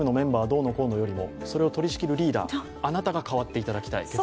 どうのこうのよりもそれを取り仕切るリーダー、あなたが変わっていただきたいと。